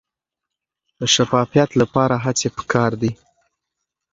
د شفافیت لپاره هڅې پکار دي.